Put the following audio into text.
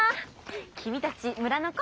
君たち村の子？